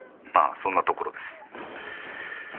まあそんなところです。